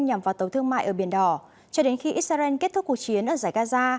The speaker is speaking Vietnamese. nhằm vào tàu thương mại ở biển đỏ cho đến khi israel kết thúc cuộc chiến ở giải gaza